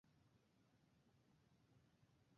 ভিডিওটি পরিচালনা করেছেন ট্রয় রস্কো।